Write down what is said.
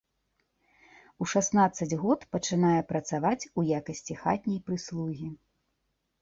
У шаснаццаць год пачынае працаваць у якасці хатняй прыслугі.